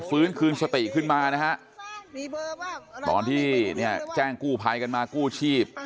ฟื้นคืนสติขึ้นมานะฮะตอนที่เนี่ยแจ้งกู้ภัยกันมากู้ชีพ